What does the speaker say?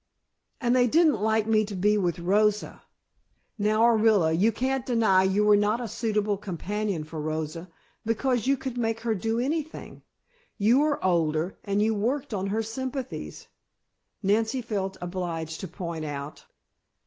"And they didn't like me to be with Rosa " "Now, Orilla, you can't deny you were not a suitable companion for Rosa, because you could make her do anything. You are older, and you worked on her sympathies," Nancy felt obliged to point out.